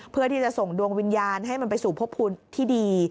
เพื่อที่จะส่งดวงวิญญาณให้มันไปสู่พบภูมิที่ดี